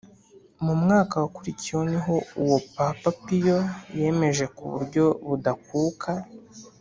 mu mwaka wakurikiyeho niho uwo papa piyo yemeje ku buryo budakuka